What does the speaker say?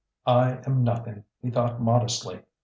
"I am nothing!" he thought modestly.